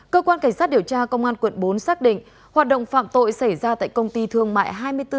cơ quan cảnh sát điều tra công an quận bốn xác định hoạt động phạm tội xảy ra tại công ty thương mại hai mươi bốn h